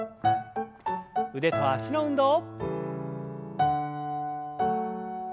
腕と脚の運動。